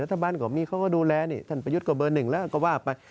ก็มีเขาก็ดูแลนี่ท่านประยุทธ์ก็เบอร์หนึ่งแล้วก็ว่าไป